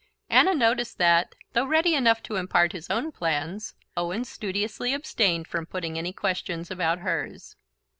Anna noticed that, though ready enough to impart his own plans, Owen studiously abstained from putting any questions about hers.